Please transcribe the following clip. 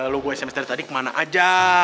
lu gue sms dari tadi kemana aja